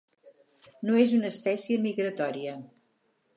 No és una espècie migratòria.